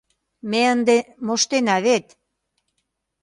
Ме ынде моштена вет.